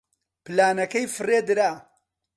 پلانەکەی فڕێ درا.